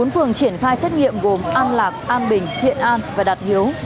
bốn phường triển khai xét nghiệm gồm an lạc an bình thiện an và đạt hiếu